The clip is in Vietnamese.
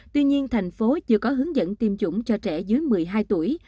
tuy nhiên thành phố chưa có hướng dẫn tiêm chủng cho trẻ dưới một mươi hai tuổi